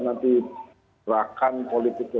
nanti rakan politiknya